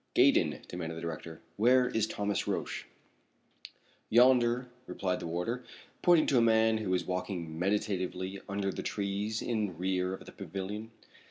"Gaydon," demanded the director, "where is Thomas Roch?" "Yonder," replied the warder, pointing to a man who was walking meditatively under the trees in rear of the pavilion.